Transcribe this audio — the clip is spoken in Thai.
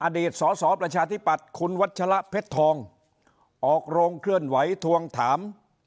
อดีตสอสอประชาธิปัตย์คุณวัชละเพชรทองออกโรงเคลื่อนไหวทวงถาม